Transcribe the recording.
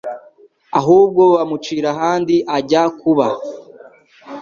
ahubwo bamucira ahandi ajya kuba